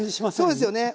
そうですよね。